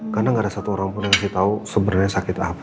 karena gak ada satu orang pun yang kasih tau sebenarnya sakit apa